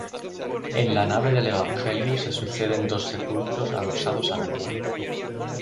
En la nave del Evangelio se suceden dos sepulcros adosados al muro.